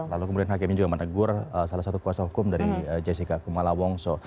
lalu kemudian hakimnya juga menegur salah satu kuasa hukum dari jessica kumala wongso